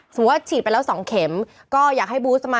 สมมุติว่าฉีดไปแล้ว๒เข็ม